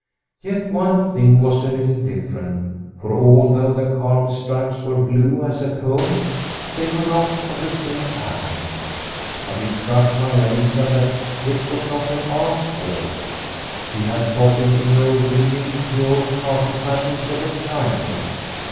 Yet one thing was a little different, for although the carpet stripes were blue as at home they were not of the same pattern. But it struck Maia Lisa that this was not her aunt's fault. She had copied in her weaving the old carpet patterns of her childhood.